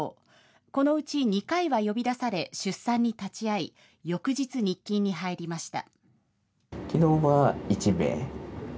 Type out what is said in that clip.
このうち２回は呼び出され、出産に立ち会い、翌日日勤に入りました。